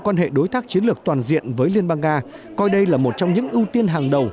quan hệ đối tác chiến lược toàn diện với liên bang nga coi đây là một trong những ưu tiên hàng đầu